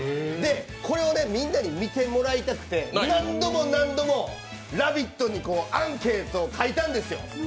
これをみんなに見てもらいたくて何度も何度も「ラヴィット！」のアンケートに書いたんですよ。